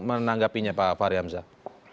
menanggapinya pak faryamzah